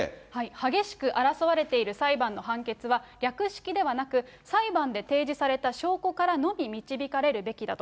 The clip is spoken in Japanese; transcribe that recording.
激しく争われている裁判の判決は、略式ではなく、裁判で提示された証拠からのみ導かれるべきだと。